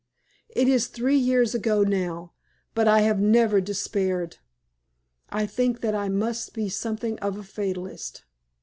It is three years ago now, but I have never despaired. I think that I must be something of a fatalist.